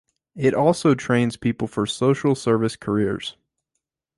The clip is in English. It also trains people for social service careers.